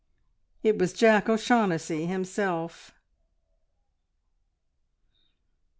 It was Jack O'Shaughnessy himself!